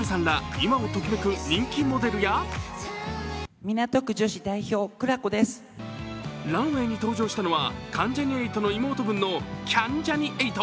今をときめく人気モデルやランウェイに登場したのは関ジャニ∞の妹分のキャンジャニ∞。